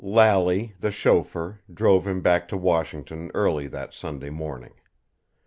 Lally, the chauffeur, drove him back to Washington early that Sunday morning.